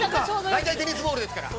◆大体テニスボールですから。